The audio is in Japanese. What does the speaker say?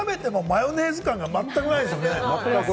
聞いて食べてもマヨネーズ感がまったくないですよね。